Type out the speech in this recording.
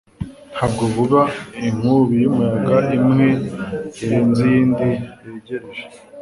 ntabwo vuba inkubi y'umuyaga imwe irenze iyindi yegereje